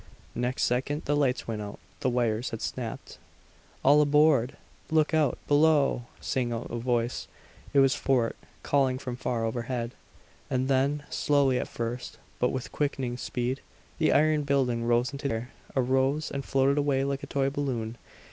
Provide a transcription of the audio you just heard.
Next second the lights went out; the wires had snapped. "All aboard; look out, below!" sang out a voice. It was Fort, calling from far overhead. And then, slowly at first but with quickening speed, the iron building rose into the air; arose, and floated away like a toy balloon.